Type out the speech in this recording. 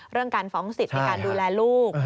เรื่องการฟ้องสิทธิ์ในการดูแลลูก